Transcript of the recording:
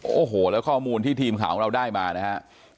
โอ้โหแล้วข้อมูลที่ทีมข่าวของเราได้มานะฮะ